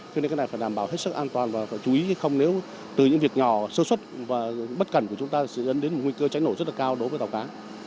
cho nên cái này phải đảm bảo hết sức an toàn và phải chú ý không nếu từ những việc nhỏ sơ xuất và bất cẩn của chúng ta sẽ dẫn đến một nguy cơ cháy nổ rất là cao đối với tàu cá